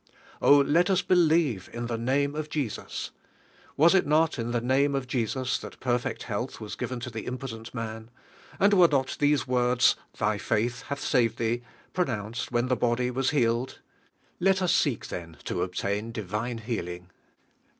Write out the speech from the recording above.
Oh, let us believe in the name of Jesus! Was it not in the name of Je.sus that perfect health was given to the im potent man? And were not these words : "Thy faith hath saved Ihee," pronounced when the body was healed? Let us seek then to obtain divine healing.